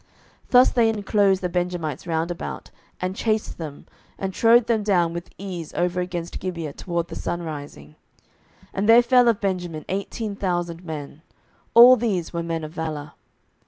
07:020:043 Thus they inclosed the Benjamites round about, and chased them, and trode them down with ease over against Gibeah toward the sunrising. 07:020:044 And there fell of Benjamin eighteen thousand men; all these were men of valour.